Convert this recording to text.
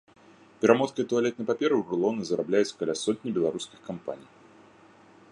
Перамоткай туалетнай паперы ў рулоны зарабляюць каля сотні беларускіх кампаній.